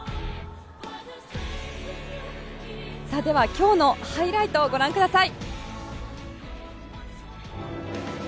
今日のハイライトをご覧ください。